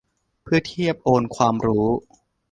เพื่อเทียบโอนความรู้